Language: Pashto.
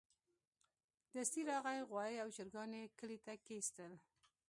دستي راغی غوايي او چرګان يې کلي ته کېستل.